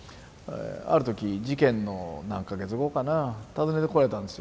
ある時事件の何か月後かな訪ねてこられたんですよ。